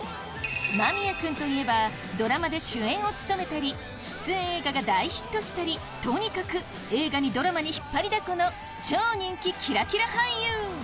間宮くんといえばドラマで主演を務めたり出演映画が大ヒットしたりとにかく映画にドラマに引っ張りだこの超人気キラキラ俳優。